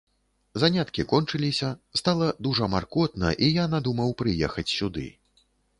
Заняткі кончыліся, стала дужа маркотна, і я надумаў прыехаць сюды.